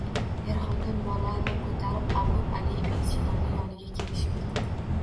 Er-xotin bolani ko‘tarib, Abu Ali ibn Sinoning yoniga kelishibdi